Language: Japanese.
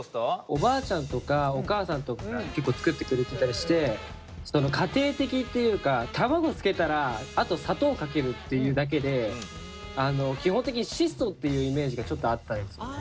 おばあちゃんとかお母さんとかが結構作ってくれてたりして家庭的っていうか卵つけたらあと砂糖かけるっていうだけで基本的に質素っていうイメージがちょっとあったんですよね。